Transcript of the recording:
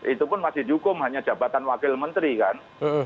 itu pun masih dihukum hanya jabatan wakil menteri kan